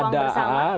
tidak ada ruang bersama